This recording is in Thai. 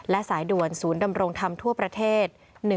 และสายด่วนศูนย์ดำรงธรรมทั่วประเทศ